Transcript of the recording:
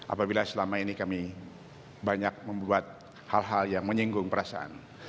apabila selama ini kami banyak membuat hal hal yang menyinggung perasaan